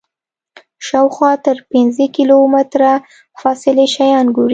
شاوخوا تر پنځه کیلومتره فاصلې شیان ګوري.